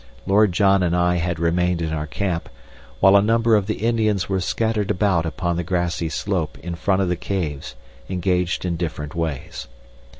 Lord John and I had remained in our camp, while a number of the Indians were scattered about upon the grassy slope in front of the caves engaged in different ways.